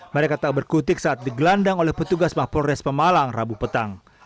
mereka tak berkutik saat digelandang oleh petugas mahpolres pemalang rabu petang